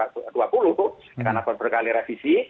karena berkali kali revisi